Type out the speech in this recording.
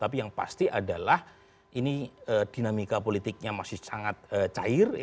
jadi yang pasti adalah ini dinamika politiknya masih sangat cair ya